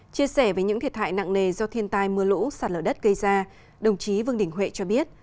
chia sẻ về những thiệt hại nặng nề do thiên tai mưa lũ sạt lở đất gây ra đồng chí vương đình huệ cho biết